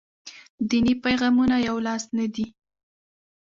دیني پیغامونه یولاس نه دي.